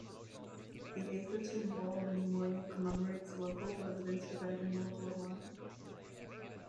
The Atherton War Memorial commemorates local residents who died in World War One.